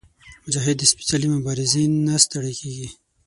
مجاهد د سپېڅلې مبارزې نه ستړی کېږي.